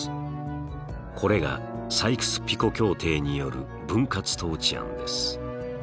これがサイクス・ピコ協定による分割統治案です。